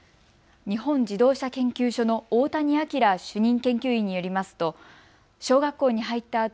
日本自動車研究所の大谷亮主任研究員によりますと小学校に入った